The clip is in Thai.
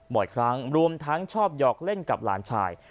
บ่อยครั้งรวมทั้งชอบหยอกเล่นกับหลานชาย